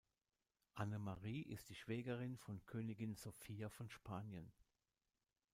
Anne-Marie ist die Schwägerin von Königin Sophia von Spanien.